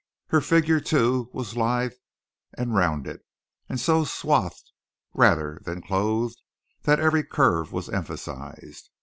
Her figure, too, was lithe and rounded; and so swathed, rather than clothed, that every curve was emphasized.